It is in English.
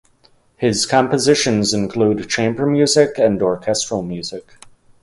His compositions include chamber music and orchestral music.